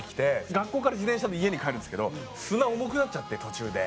学校から自転車で家に帰るんですけど砂重くなっちゃって途中で。